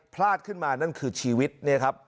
พลาดขึ้นมานั่นคือชีวิตเนี่ยครับ